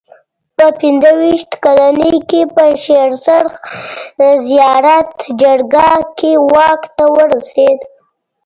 په پنځه ویشت کلنۍ کې په شېر سرخ زیارت جرګه کې واک ته ورسېد.